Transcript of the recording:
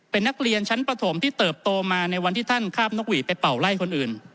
เป็นนักเรียนชั้นประถมที่เติบโตมาในวันที่ท่านคาบนกหวีดไปเป่าไล่คนอื่น